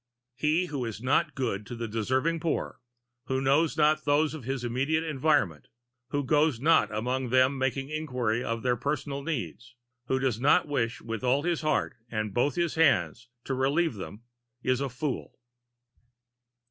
He who is not good to the deserving poor who knows not those of his immediate environment, who goes not among them making inquiry of their personal needs, who does not wish with all his heart and both his hands to relieve them is a fool.